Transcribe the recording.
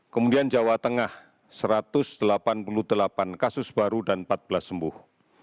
kemudian jawa tengah satu ratus delapan puluh delapan kasus baru dan empat belas sembuh